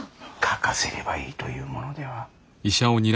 かかせればいいというものでは。